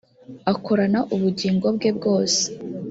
akorana ubugingo bwe bwose.